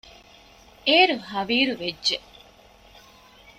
އޭރު ހަވީރުވެއްޖެ